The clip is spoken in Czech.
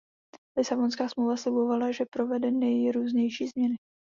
Lisabonská smlouva slibovala, že provede nejrůznější změny.